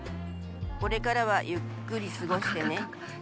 これからはゆっくり過ごしてね。